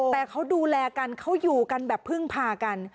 แต่เขาดูแลกันเขาอยู่กันแบบพึ่งพากัน